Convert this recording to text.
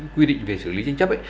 quy định về xử lý tranh chấp